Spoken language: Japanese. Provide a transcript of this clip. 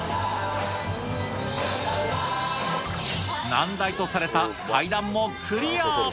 難題とされた階段もクリア。